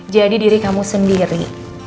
jadi diri kamu sendiri